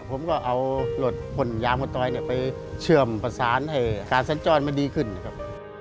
ผมก็เอารถพ่นยางมะตอยไปเชื่อมประสานให้การสัญจรมันดีขึ้นนะครับ